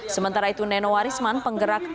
sementara itu nenno warisman penggerak aksi bertiga